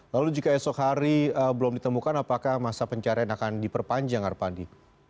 lalu jika esok hari belum ditemukan apakah masa pencarian akan diperpanjang arpandi